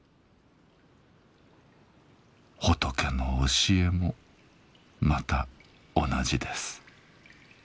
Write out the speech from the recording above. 仏の教えもまた同じです。